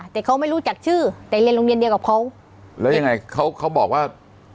แต่เขาไม่รู้จักชื่อแต่เรียนโรงเรียนเดียวกับเขาแล้วยังไงเขาเขาบอกว่า